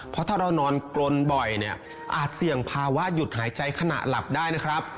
เพราะถ้าเรานอนกลนบ่อยเนี่ยอาจเสี่ยงภาวะหยุดหายใจขณะหลับได้นะครับ